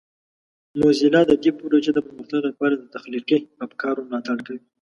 موزیلا د دې پروژې د پرمختګ لپاره د تخلیقي افکارو ملاتړ کوي.